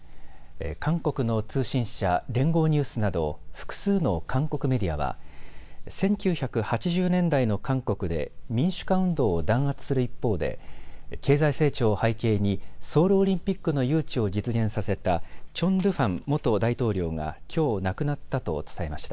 韓国の通信社、連合ニュースなど、複数の韓国メディアは１９８０年代の韓国で民主化運動を弾圧する一方で経済成長を背景にソウルオリンピックの誘致を実現させたチョン・ドゥファン元大統領がきょう亡くなったと伝えました。